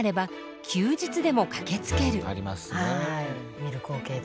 見る光景で。